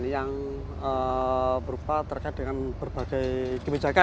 yang berupa terkait dengan berbagai kebijakan